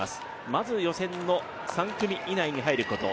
まず予選の３組以内に入ること。